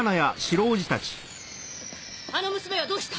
あの娘はどうした？